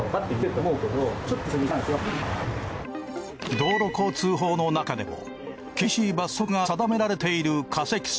道路交通法の中でも厳しい罰則が定められている過積載。